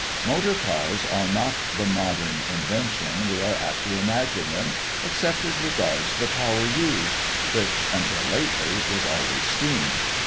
Motor cars are not the modem invention we are apt to imagine them, except as regards the power used — ^which, until lately, was always steam.